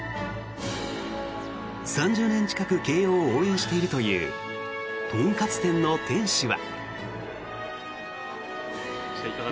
３０年近く慶応を応援しているというとんかつ店の店主は。